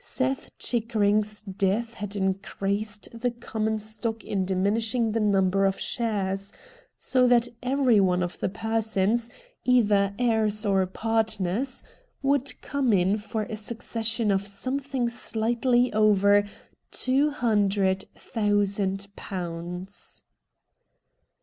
Seth Chickering's death had increased the common stock in diminishing the number of sharers, so that every one of the persons. A NINE BAYS' WONDER 207 either heirs or partners, would corae in for a succession of something slightly over two hundred thousand pounds.